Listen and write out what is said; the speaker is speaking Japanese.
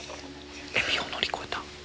エビ乗り越えた！